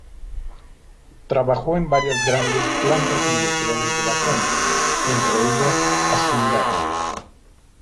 Trabajó en varias grandes plantas industriales de la zona, entre ellas Acindar.